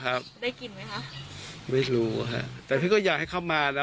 เหรอครับได้กลิ่นไหมครับไม่รู้ครับแต่พี่ก็อยากให้เข้ามานะ